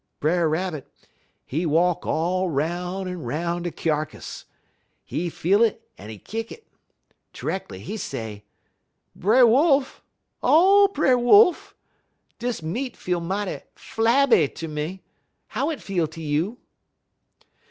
Brer Rabbit, he walk all 'roun' un 'roun' de kyarkiss. He feel it un he kick it. Terreckly he say: "'Brer Wolf! O Brer Wolf! Dis meat feel mighty flabby ter me; how it feel ter you?'